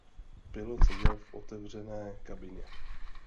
Pilot seděl v otevřené kabině.